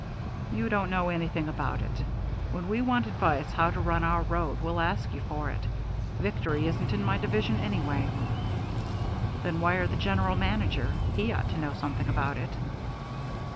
"You don't know anything about it. When we want advice how to run our road we'll ask you for it. Victory isn't in my division anyway." "Then wire the general manager. He ought to know something about it."